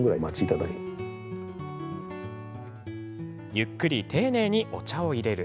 ゆっくり丁寧にお茶をいれる。